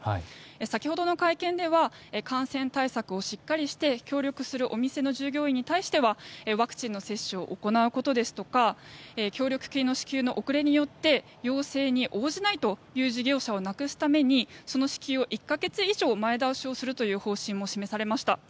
先ほどの会見では感染対策をしっかりして協力するお店の従業員に対してはワクチンの接種を行うことですとか協力金の支給の遅れによって要請に応じないという店をなくすためにその支給を１か月以上前倒しをするという方針も示されました。